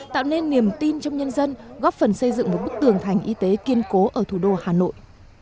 tạo nên niềm tin trong nhân dân góp phần xây dựng một bức tường thành y tế kiên cố ở thủ đô hà nội